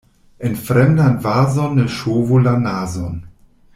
En fremdan vazon ne ŝovu la nazon.